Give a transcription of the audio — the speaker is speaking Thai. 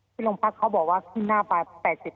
โรงพักเขาบอกว่าขึ้นหน้าไป๘๐